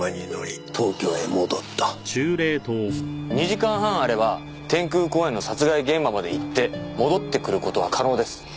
２時間半あれば天空公園の殺害現場まで行って戻ってくる事は可能です。